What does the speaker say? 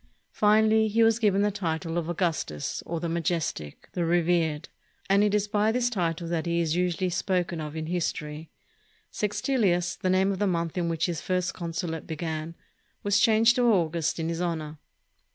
Finally, he was given the. title of "Augustus," or the "Majestic," the "Revered," and it is by this title that he is usually spoken of in history. Sextilis, the name of the month in which his first consulate began, was changed to August in his honor.